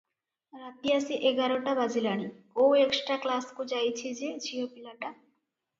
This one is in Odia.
ରାତି ଆସି ଏଗାରଟା ବାଜିଲାଣି କୋଉ ଏକ୍ସଟ୍ରା କ୍ଲାସକୁ ଯାଇଛିଯେ ଝିଅ ପିଲାଟା?